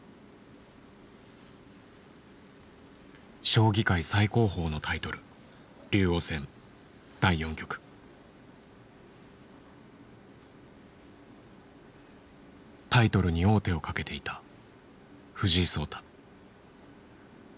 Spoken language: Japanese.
将棋界最高峰のタイトルタイトルに王手をかけていた藤井聡太。